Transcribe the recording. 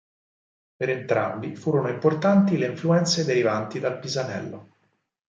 Per entrambi furono importanti le influenze derivanti dal Pisanello.